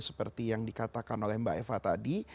seperti yang dikatakan oleh mbak eva tadi